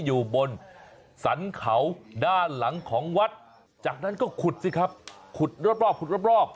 อยู่บนสรรเขาด้านหลังของวัดจากนั้นก็ขุดสิครับขุดรอบขุดรอบ